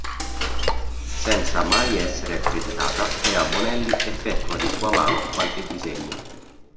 Senza mai essere accreditata, Tea Bonelli effettua di sua mano qualche disegno.